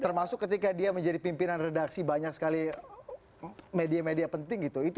termasuk ketika dia menjadi pimpinan redaksi banyak sekali media media penting gitu